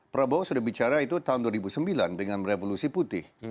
prabowo sudah bicara itu tahun dua ribu sembilan dengan revolusi putih